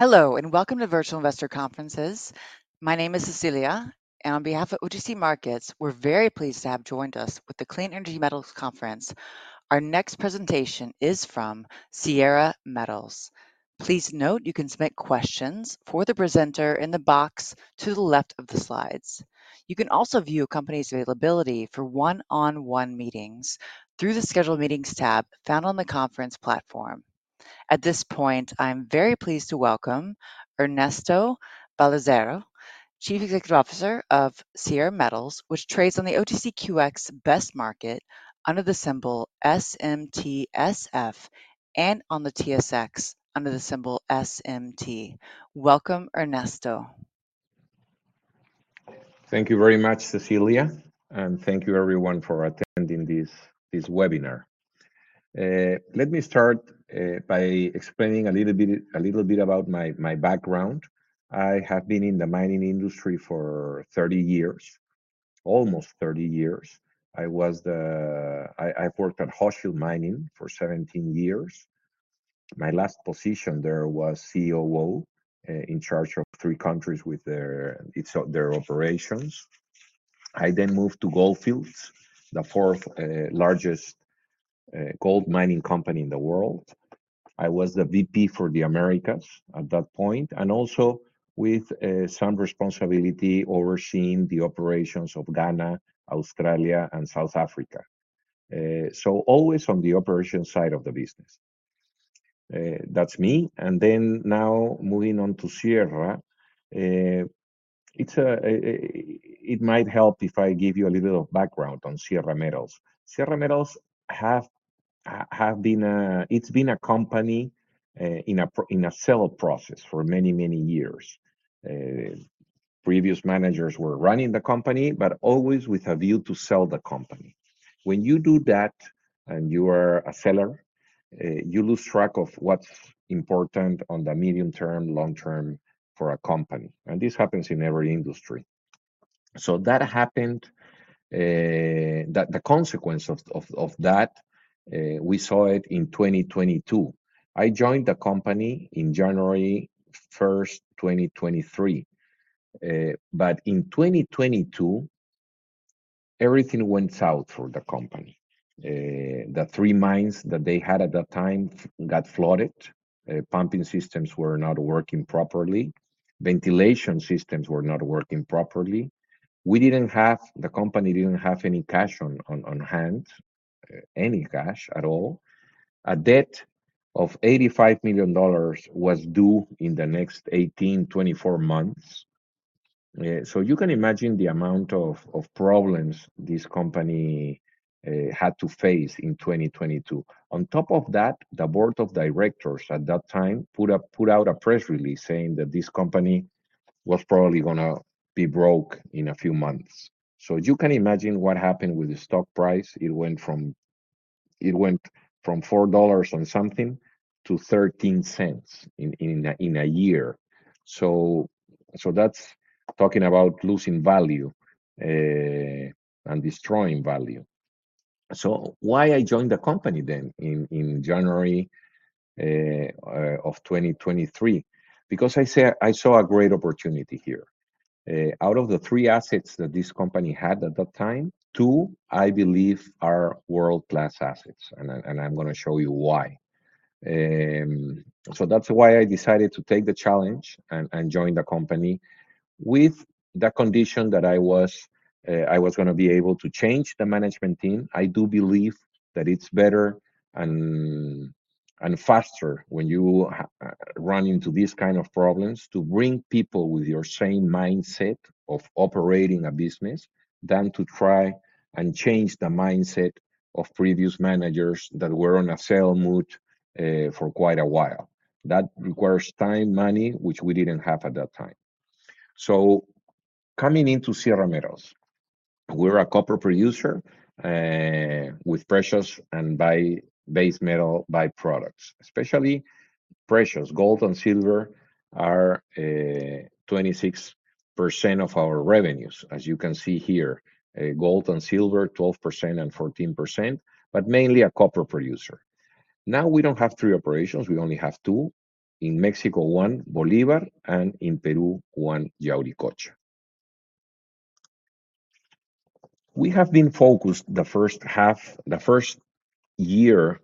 Hello, and welcome to Virtual Investor Conferences. My name is Cecilia, and on behalf of OTC Markets, we're very pleased to have joined us with the Clean Energy Metals Conference. Our next presentation is from Sierra Metals. Please note you can submit questions for the presenter in the box to the left of the slides. You can also view a company's availability for one-on-one meetings through the Schedule Meetings tab found on the conference platform. At this point, I'm very pleased to welcome Ernesto Balarezo, Chief Executive Officer of Sierra Metals, which trades on the OTCQX Best Market under the symbol SMTSF, and on the TSX under the symbol SMT. Welcome, Ernesto. Thank you very much, Cecilia, and thank you everyone for attending this webinar. Let me start by explaining a little bit about my background. I have been in the mining industry for 30 years, almost 30 years. I worked at Hochschild Mining for 17 years. My last position there was COO in charge of three countries with their operations. I then moved to Gold Fields, the fourth largest gold mining company in the world. I was the VP for the Americas at that point, and also with some responsibility overseeing the operations of Ghana, Australia, and South Africa. So always on the operation side of the business. That's me. And then now moving on to Sierra. It might help if I give you a little background on Sierra Metals. Sierra Metals has been a company in a sell process for many, many years. Previous managers were running the company, but always with a view to sell the company. When you do that, and you are a seller, you lose track of what's important on the medium term, long term for a company, and this happens in every industry. That happened, the consequence of that we saw it in twenty twenty-two. I joined the company in January first, twenty twenty-three. In twenty twenty-two, everything went south for the company. The three mines that they had at that time got flooded. Pumping systems were not working properly. Ventilation systems were not working properly. The company didn't have any cash on hand, any cash at all. A debt of $85 million was due in the next 18-24 months, so you can imagine the amount of problems this company had to face in 2022. On top of that, the board of directors at that time put out a press release saying that this company was probably gonna be broke in a few months, so you can imagine what happened with the stock price. It went from $4 and something to $0.13 in a year. That's talking about losing value and destroying value, so why I joined the company then in January of 2023? Because I say I saw a great opportunity here. Out of the three assets that this company had at that time, two, I believe, are world-class assets, and I'm gonna show you why. So that's why I decided to take the challenge and join the company with the condition that I was gonna be able to change the management team. I do believe that it's better and faster when you run into these kind of problems, to bring people with your same mindset of operating a business, than to try and change the mindset of previous managers that were on a sell mood for quite a while. That requires time, money, which we didn't have at that time, so coming into Sierra Metals, we're a copper producer with precious and base metal byproducts, especially precious. Gold and silver are 26% of our revenues. As you can see here, gold and silver, 12% and 14%, but mainly a copper producer. Now, we don't have three operations, we only have two. In Mexico, one, Bolivar, and in Peru, one, Yauricocha. We have been focused the first half, the first year,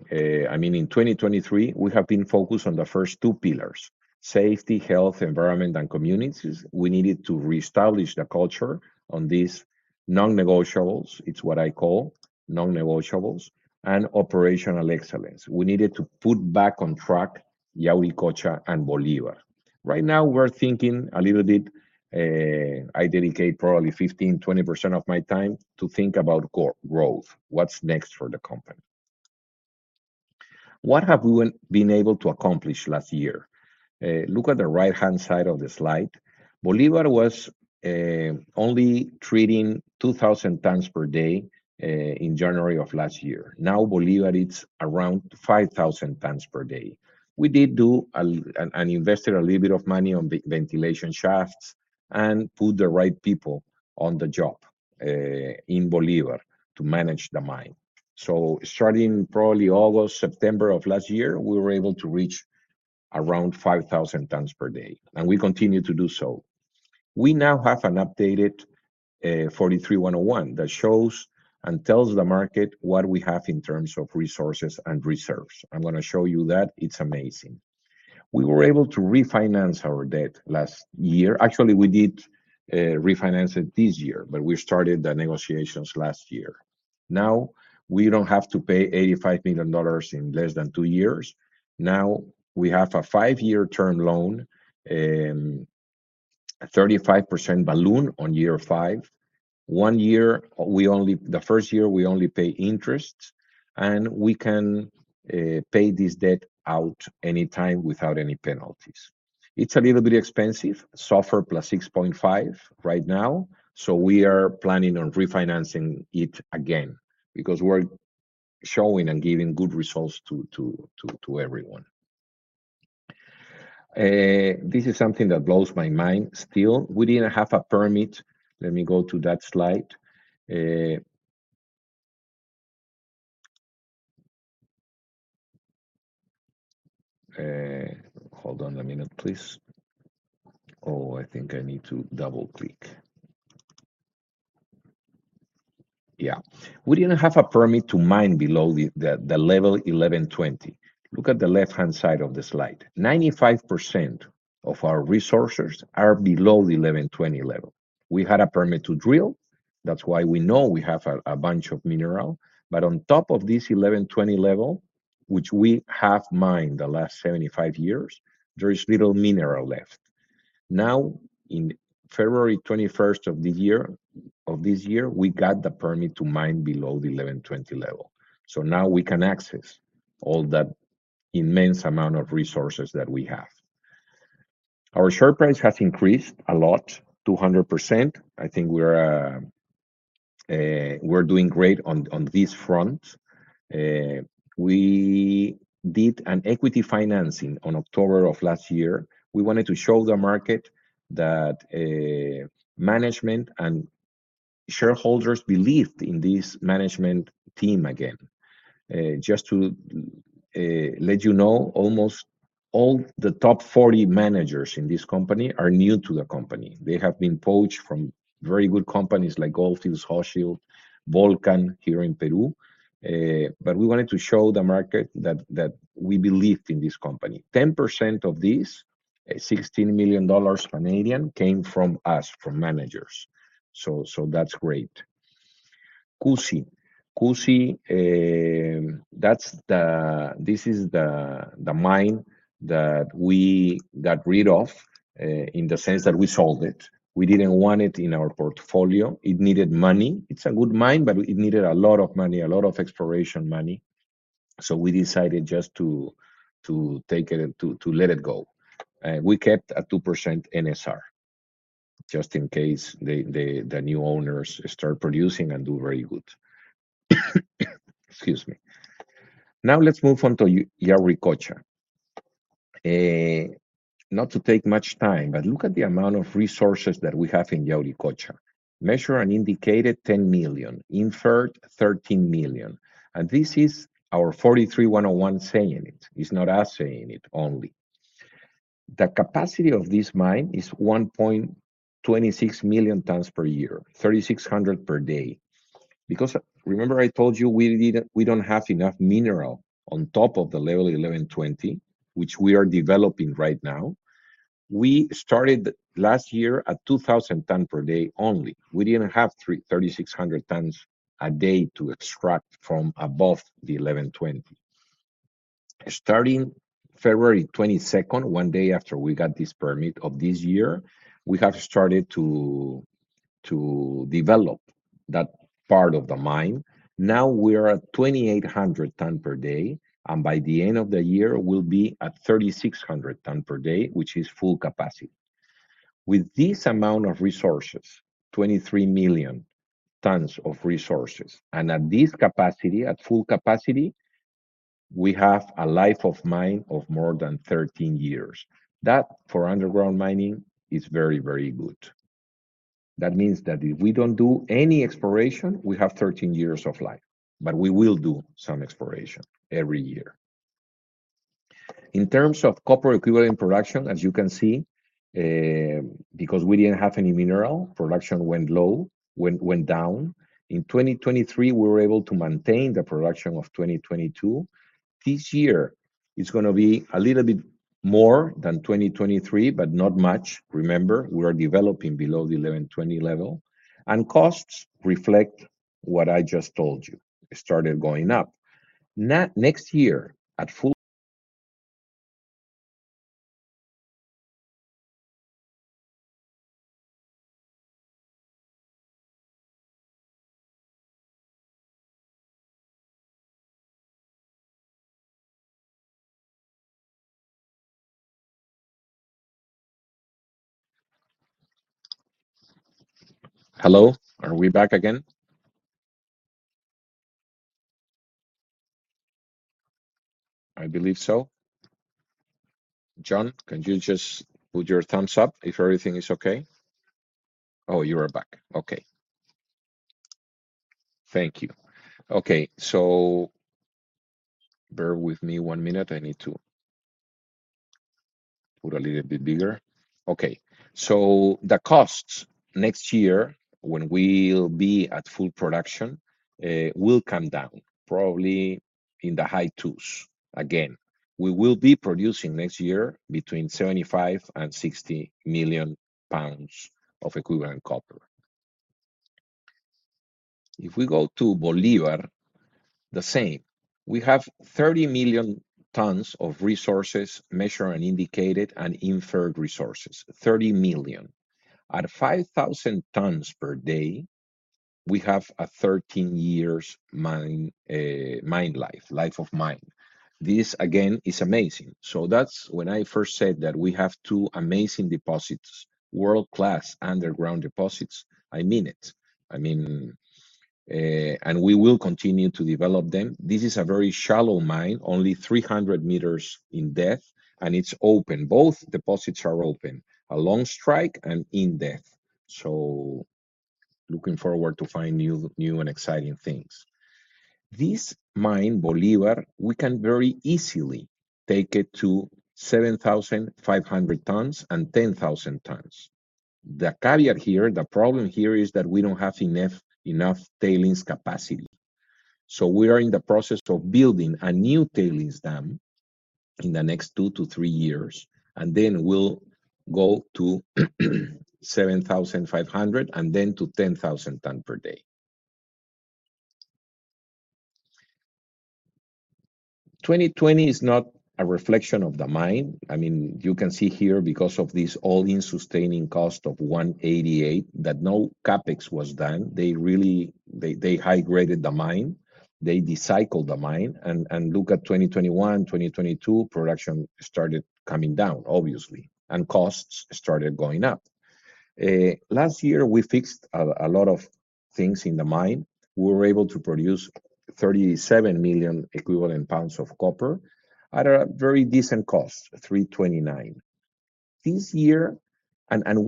I mean, in 2023, we have been focused on the first two pillars: safety, health, environment, and communities. We needed to reestablish the culture on these non-negotiables. It's what I call non-negotiables and operational excellence. We needed to put back on track Yauricocha and Bolivar. Right now, we're thinking a little bit, I dedicate probably 15, 20% of my time to think about growth. What's next for the company? What have we been able to accomplish last year? Look at the right-hand side of the slide. Bolivar was only treating 2,000 tons per day in January of last year. Now, Bolivar, it's around 5,000 tons per day. We did do and invested a little bit of money on ventilation shafts and put the right people on the job in Bolivar to manage the mine. So starting probably August, September of last year, we were able to reach around 5,000 tons per day, and we continue to do so. We now have an updated 43-101 that shows and tells the market what we have in terms of resources and reserves. I'm gonna show you that. It's amazing. We were able to refinance our debt last year. Actually, we did refinance it this year, but we started the negotiations last year. Now, we don't have to pay $85 million in less than two years. Now, we have a five-year term loan, 35% balloon on year five. The first year, we only pay interest, and we can pay this debt out anytime without any penalties. It's a little bit expensive, SOFR plus 6.5 right now, so we are planning on refinancing it again, because we're showing and giving good results to everyone. This is something that blows my mind still. We didn't have a permit. Let me go to that slide. Hold on a minute, please. Oh, I think I need to double-click. Yeah. We didn't have a permit to mine below the Level 1,120. Look at the left-hand side of the slide. 95% of our resources are below the 1,120 level. We had a permit to drill. That's why we know we have a bunch of mineral. But on top of this 1,120 level, which we have mined the last seventy-five years, there is little mineral left. Now, in February twenty-first of this year, we got the permit to mine below the 1,120 level. So now we can access all that immense amount of resources that we have. Our share price has increased a lot, 200%. I think we're doing great on this front. We did an equity financing on October of last year. We wanted to show the market that management and shareholders believed in this management team again. Just to let you know, almost all the top 40 managers in this company are new to the company. They have been poached from very good companies like Gold Fields, Hochschild, Volcan, here in Peru. But we wanted to show the market that we believed in this company. 10% of this, 16 million Canadian dollars, came from us, from managers. So that's great. Cusi. Cusi, that's the. This is the mine that we got rid of, in the sense that we sold it. We didn't want it in our portfolio. It needed money. It's a good mine, but it needed a lot of money, a lot of exploration money, so we decided just to take it and to let it go. We kept a 2% NSR, just in case the new owners start producing and do very good. Excuse me. Now, let's move on to Yauricocha. Not to take much time, but look at the amount of resources that we have in Yauricocha. Measured and indicated, 10 million, inferred, 13 million, and this is our 43-101 saying it. It's not us saying it only. The capacity of this mine is 1.26 million tons per year, 3,600 per day. Because remember I told you, we didn't, we don't have enough mineral on top of the level 1,120, which we are developing right now. We started last year at 2,000 tons per day only. We didn't have 3,600 tons a day to extract from above the 1,120. Starting February twenty-second, one day after we got this permit, of this year, we have started to develop that part of the mine. Now, we're at 2,800 tons per day, and by the end of the year, we'll be at 3,600 tons per day, which is full capacity. With this amount of resources, 23 million tons of resources, and at this capacity, at full capacity, we have a life of mine of more than 13 years. That, for underground mining, is very, very good. That means that if we don't do any exploration, we have 13 years of life, but we will do some exploration every year. In terms of copper equivalent production, as you can see, because we didn't have any mineral, production went low, went down. In 2023, we were able to maintain the production of 2022. This year, it's gonna be a little bit more than 2023, but not much. Remember, we are developing below the 1,120 level, and costs reflect what I just told you. It started going up. Next year, at full production, hello, are we back again? I believe so. John, can you just put your thumbs up if everything is okay? Oh, you are back. Okay. Thank you. Okay, so bear with me one minute. I need to put a little bit bigger. Okay, so the costs next year, when we'll be at full production, will come down, probably in the high twos. Again, we will be producing next year between 75 and 60 million pounds of equivalent copper. If we go to Bolivar, the same. We have 30 million tons of Measured and Indicated Resources, and Inferred Resources, 30 million. At 5,000 tons per day, we have a 13 years mine life, life of mine. This, again, is amazing. That's when I first said that we have two amazing deposits, world-class underground deposits. I mean it. I mean, And we will continue to develop them. This is a very shallow mine, only 300 meters in depth, and it's open. Both deposits are open, along strike and in depth. So looking forward to find new and exciting things. This mine, Bolivar, we can very easily take it to 7,500 tons and 10,000 tons. The caveat here, the problem here is that we don't have enough tailings capacity. So we are in the process of building a new tailings dam in the next 2 to 3 years, and then we'll go to 7,500 and then to 10,000 tons per day. 2020 is not a reflection of the mine. I mean, you can see here, because of this all-in sustaining cost of $188, that no CapEx was done. They really high-graded the mine, they de-sequenced the mine, and look at 2021, 2022, production started coming down, obviously, and costs started going up. Last year, we fixed a lot of things in the mine. We were able to produce 37 million equivalent pounds of copper at a very decent cost, $3.29.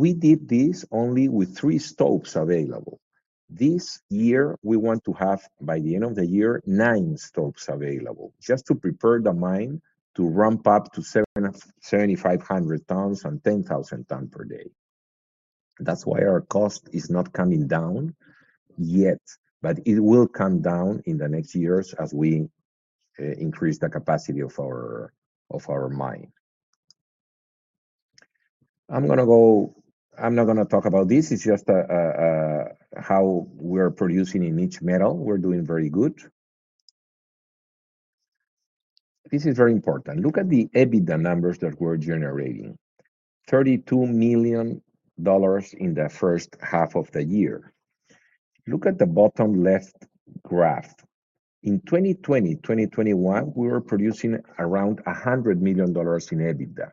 We did this only with 3 stopes available. This year, we want to have, by the end of the year, 9 stopes available, just to prepare the mine to ramp up to 7,750 tons and 10,000 tons per day. That's why our cost is not coming down yet, but it will come down in the next years as we increase the capacity of our mine. I'm gonna go. I'm not gonna talk about this. It's just how we're producing in each metal. We're doing very good. This is very important. Look at the EBITDA numbers that we're generating, $32 million in the first half of the year. Look at the bottom left graph. In 2020, 2021, we were producing around $100 million in EBITDA.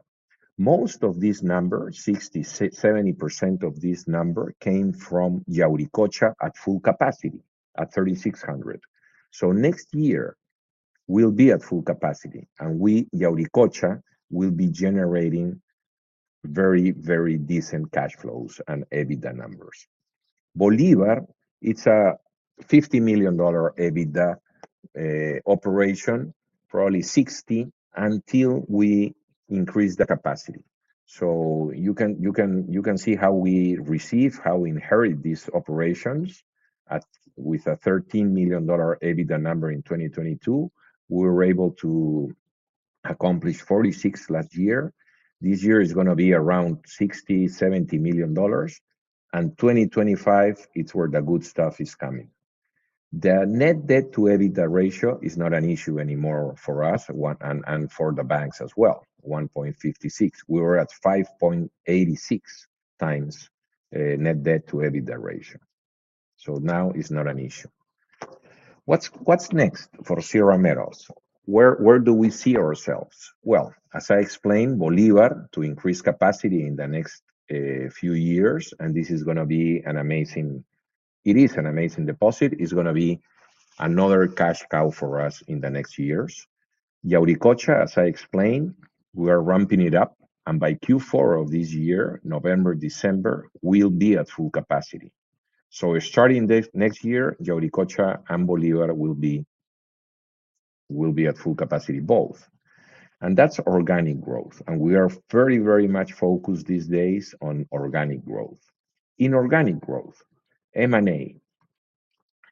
Most of this number, 60%-70% of this number, came from Yauricocha at full capacity, at 3,600. So next year, we'll be at full capacity, and we, Yauricocha, will be generating very, very decent cash flows and EBITDA numbers. Bolivar, it's a $50 million EBITDA operation, probably $60 million, until we increase the capacity. So you can see how we inherit these operations with a $13 million EBITDA number in 2022. We were able to accomplish $46 million last year. This year is gonna be around $60-$70 million, and 2025, it's where the good stuff is coming. The net debt to EBITDA ratio is not an issue anymore for us, 1.56, and for the banks as well. We were at 5.86 times net debt to EBITDA ratio, so now it's not an issue. What's next for Sierra Metals? Where do we see ourselves? As I explained, Bolivar, to increase capacity in the next few years, and this is gonna be an amazing... It is an amazing deposit. It's gonna be another cash cow for us in the next years. Yauricocha, as I explained, we are ramping it up, and by Q4 of this year, November, December, we'll be at full capacity. So starting next year, Yauricocha and Bolivar will be at full capacity both. And that's organic growth, and we are very, very much focused these days on organic growth. Inorganic growth, M&A.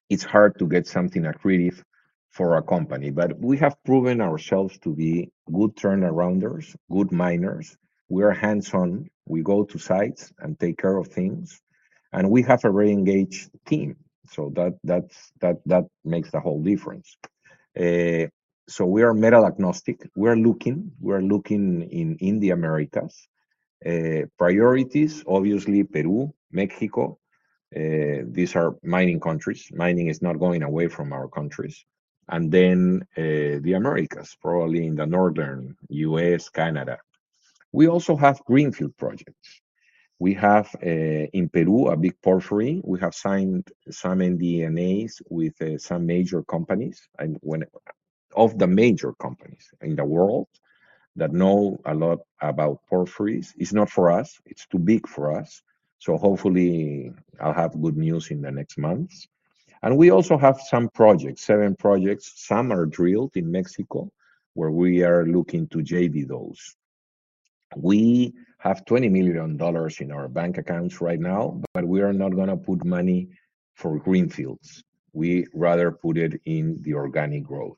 It's hard to get something accretive for our company, but we have proven ourselves to be good turn-arounders, good miners. We are hands-on. We go to sites and take care of things, and we have a very engaged team, so that's what makes the whole difference. So we are metal agnostic. We're looking in the Americas. Priorities, obviously, Peru, Mexico, these are mining countries. Mining is not going away from our countries, and then the Americas, probably in the northern U.S., Canada. We also have greenfield projects. We have, in Peru, a big porphyry. We have signed some NDAs with, some major companies, and one of the major companies in the world that know a lot about porphyries. It's not for us, it's too big for us, so hopefully I'll have good news in the next months. We also have some projects, seven projects. Some are drilled in Mexico, where we are looking to JV those. We have $20 million in our bank accounts right now, but we are not gonna put money for greenfields. We rather put it in the organic growth.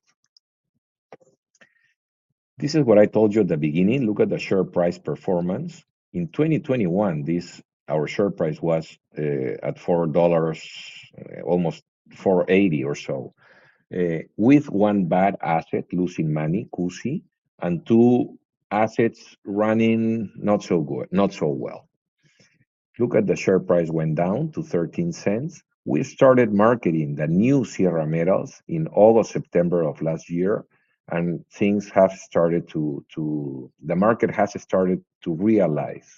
This is what I told you at the beginning. Look at the share price performance. In 2021, our share price was at $4, almost $4.80 or so. With one bad asset losing money, Cusi, and two assets running not so good - not so well. Look at the share price went down to $0.13. We started marketing the new Sierra Metals in August, September of last year, and things have started to. The market has started to realize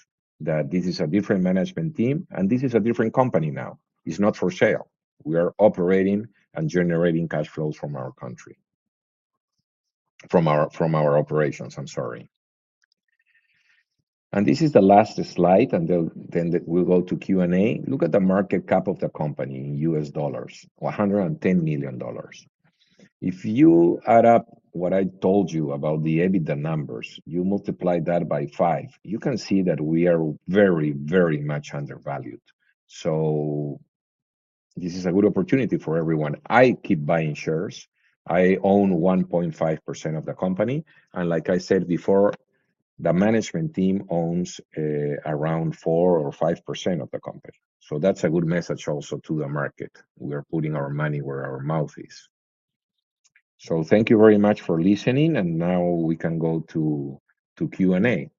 that this is a different management team, and this is a different company now. It's not for sale. We are operating and generating cash flows from our operations, I'm sorry. This is the last slide, and then we'll go to Q&A. Look at the market cap of the company in US$110 million. If you add up what I told you about the EBITDA numbers, you multiply that by five, you can see that we are very, very much undervalued. So this is a good opportunity for everyone. I keep buying shares. I own 1.5% of the company, and like I said before, the management team owns around 4% or 5% of the company. So that's a good message also to the market. We are putting our money where our mouth is. So thank you very much for listening, and now we can go to Q&A.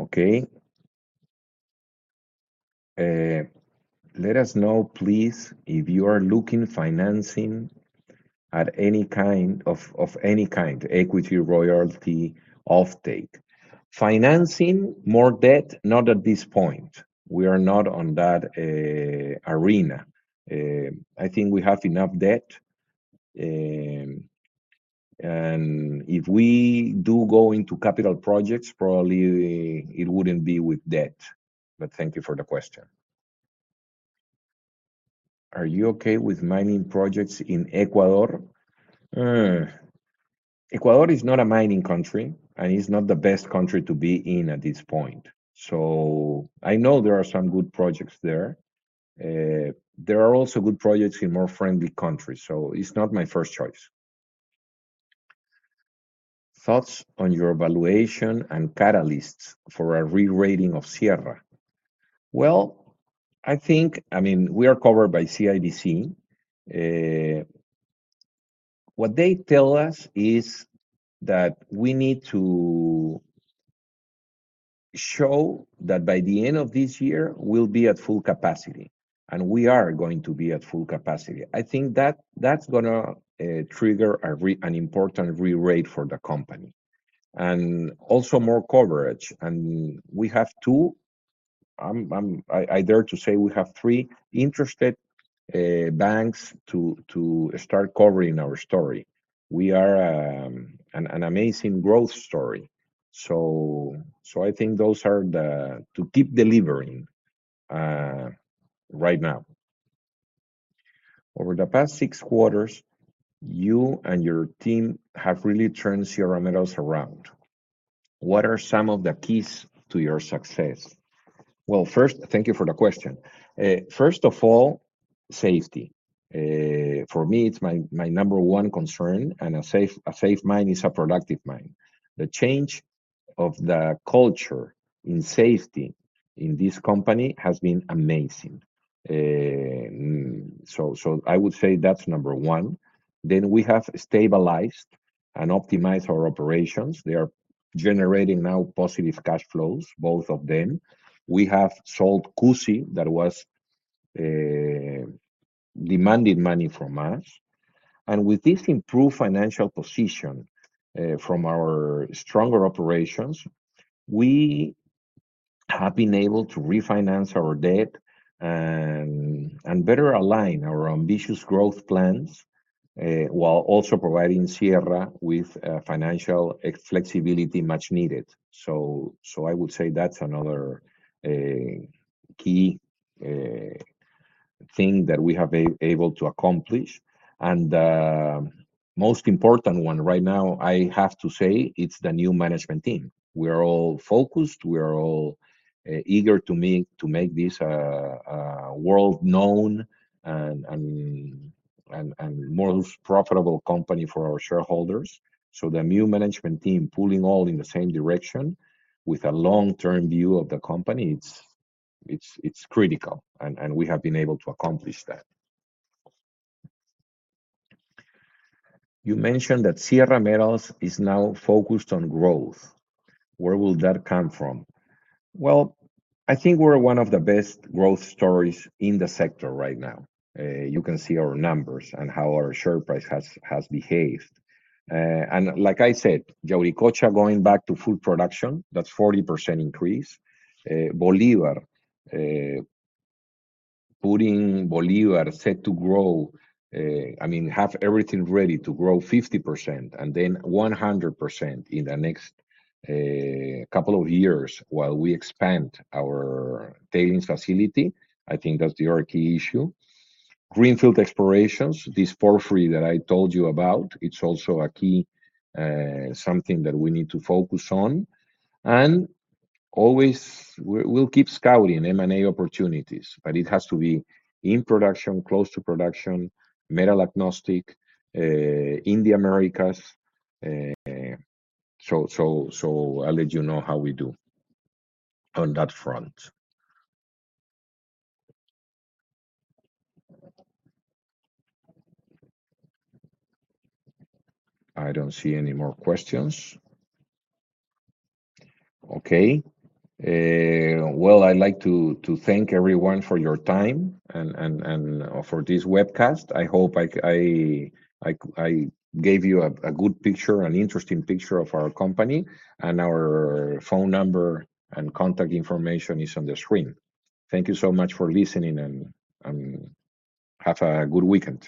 Okay. "Let us know, please, if you are looking financing at any kind of- of any kind, equity, royalty, offtake." Financing, more debt, not at this point. We are not on that arena. I think we have enough debt, and if we do go into capital projects, probably it wouldn't be with debt. But thank you for the question. "Are you okay with mining projects in Ecuador?" Ecuador is not a mining country, and it's not the best country to be in at this point. So I know there are some good projects there. There are also good projects in more friendly countries, so it's not my first choice. "Thoughts on your valuation and catalysts for a re-rating of Sierra?" I think... I mean, we are covered by CIBC. What they tell us is that we need to show that by the end of this year, we'll be at full capacity, and we are going to be at full capacity. I think that, that's gonna trigger an important re-rate for the company, and also more coverage. And we have two. I dare to say we have three interested banks to start covering our story. We are an amazing growth story. So, I think those are the to keep delivering right now. "Over the past six quarters, you and your team have really turned Sierra Metals around. What are some of the keys to your success?" Well, first, thank you for the question. First of all, safety. For me, it's my number one concern, and a safe mine is a productive mine. The change of the culture in safety in this company has been amazing. So, I would say that's number one. Then, we have stabilized and optimized our operations. They are generating now positive cash flows, both of them. We have sold Cusi, that was demanding money from us. With this improved financial position from our stronger operations, we have been able to refinance our debt and better align our ambitious growth plans while also providing Sierra with financial flexibility much needed. I would say that's another key thing that we have been able to accomplish. Most important one right now, I have to say, it's the new management team. We are all focused, we are all eager to make this a world-known and more profitable company for our shareholders. So the new management team pulling all in the same direction with a long-term view of the company, it's critical, and we have been able to accomplish that. "You mentioned that Sierra Metals is now focused on growth. Where will that come from?" Well, I think we're one of the best growth stories in the sector right now. You can see our numbers and how our share price has behaved. And like I said, Yauricocha going back to full production, that's 40% increase. Bolivar set to grow. I mean, have everything ready to grow 50%, and then 100% in the next couple of years while we expand our tailings facility. I think that's the other key issue. Greenfield explorations, this porphyry that I told you about, it's also a key something that we need to focus on. Always, we'll keep scouting M&A opportunities, but it has to be in production, close to production, metal agnostic, in the Americas. I'll let you know how we do on that front. I don't see any more questions. Okay. Well, I'd like to thank everyone for your time and for this webcast. I hope I gave you a good picture, an interesting picture of our company, and our phone number and contact information is on the screen. Thank you so much for listening, and have a good weekend.